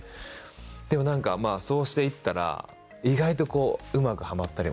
でも何かそうしていったら意外とうまくはまったりもして。